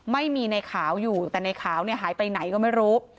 ไม่มีในขาวอยู่แต่ในขาวเนี่ยหายไปไหนก็ไม่รู้